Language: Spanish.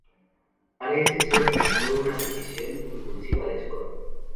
Parece ser que fue una decisión impulsiva de Scott.